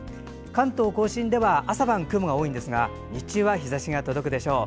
関東・甲信では朝晩は雲が多いですが日中は日ざしが届くでしょう。